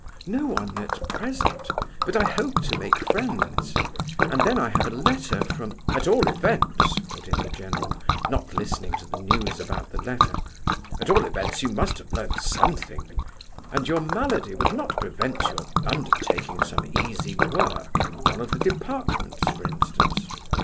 "No one, at present; but I hope to make friends; and then I have a letter from—" "At all events," put in the general, not listening to the news about the letter, "at all events, you must have learned something, and your malady would not prevent your undertaking some easy work, in one of the departments, for instance?"